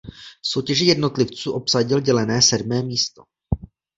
V soutěži jednotlivců obsadil dělené sedmé místo.